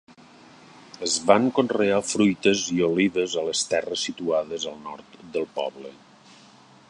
Es van conrear fruites i olives a les terres situades al nord del poble.